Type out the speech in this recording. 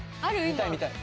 ある？